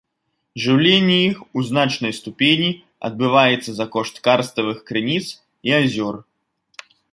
Жыўленне іх у значнай ступені адбываецца за кошт карставых крыніц і азёр.